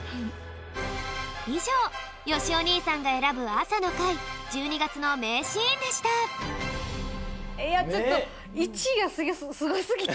いじょうよしお兄さんがえらぶあさのかい１２がつのめいシーンでしたいやちょっと１いがすごすぎて。